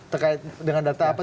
terkait dengan data apa itu bang